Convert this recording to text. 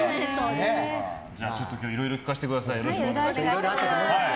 今日いろいろ聞かせてください。